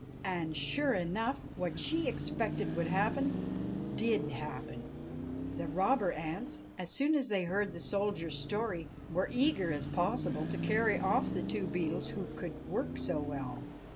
And, sure enough, what she expected would happen did happen. The robber ants, as soon as they heard the soldier's story, were as eager as possible to carry off the two Beetles who could work so well.